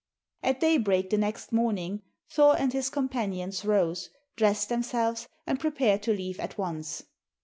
At daybreak the next morning, Thor and his companions rose, dressed themselves, and prepared to leave at once.